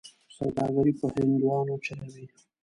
سوداګري په هندوانو چلوي.